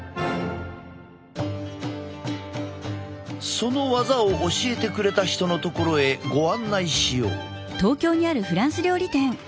その技を教えてくれた人のところへご案内しよう。